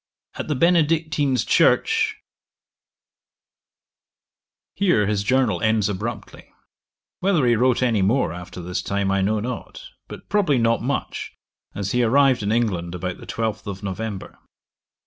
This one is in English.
At the Benedictines church ' Here his Journal ends abruptly. Whether he wrote any more after this time, I know not; but probably not much, as he arrived in England about the 12th of November.